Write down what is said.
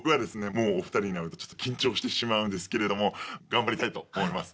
もうお二人に会うと緊張してしまうんですけれども頑張りたいと思います。